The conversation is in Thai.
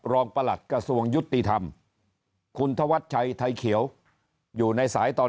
ประหลัดกระทรวงยุติธรรมคุณธวัชชัยไทยเขียวอยู่ในสายตอน